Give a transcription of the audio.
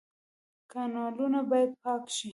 کانالونه باید پاک شي